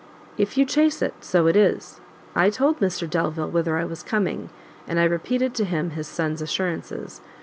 "If you chase it, so it is. I told Mr Delvile whither I was coming, and I repeated to him his son's assurances.